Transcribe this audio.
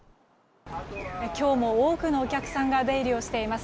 今日も多くのお客さんが出入りをしています